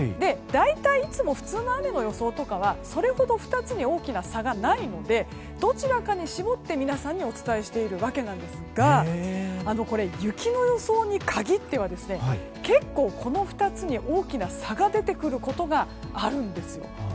大体いつも普通の雨の予想とかはそれほど２つに大きな差がないのでどちらかに絞って皆さんにお伝えしているわけなんですが雪の予想に限っては結構、この２つに大きな差が出てくることがあるんです。